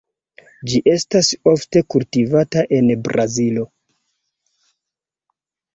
Ĝi estas ofte kultivata en Brazilo.